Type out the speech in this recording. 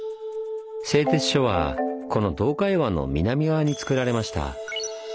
製鐵所はこの洞海湾の南側につくられました。